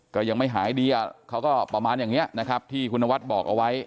ก็ยังไม่หายดีเขาก็ประมาณอย่างนี้นะครับที่คุณนวัดบอกเอาไว้